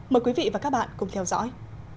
mời quý vị và các bạn cùng theo dõi